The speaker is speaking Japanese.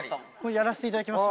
やらせていただきます。